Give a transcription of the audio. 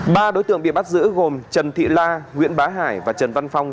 ba đối tượng bị bắt giữ gồm trần thị la nguyễn bá hải và trần văn phong